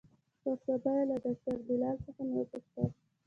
پر سبا يې له ډاکتر بلال څخه مې وپوښتل.